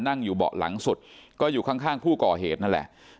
นั่งอยู่เบาะหลังสุดก็อยู่ข้างผู้ก่อเหตุนั่นแหละ